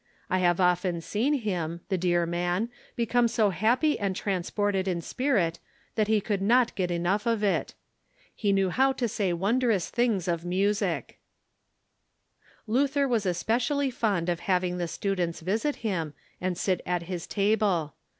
I have often seen him, the dear man, become so happy and transported in spirit that he could not get enough of it. He knew how to say wondrous things 228 THE REFORMATION of music." Lutlier Avas especially fond of having the students visit him, and sit at his table.